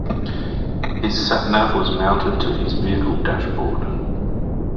His sat nav was mounted to his vehicle dashboard